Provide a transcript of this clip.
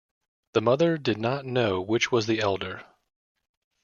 The mother did not know which was the elder.